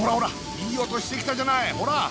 いい音してきたじゃないほら！